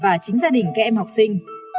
và chính gia đình các em học sinh